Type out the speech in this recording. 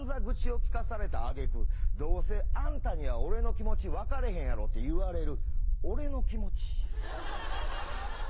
愚痴を聞かされた揚げ句「どうせあんたには俺の気持ち分かれへんやろ」って言われる俺の気持ち。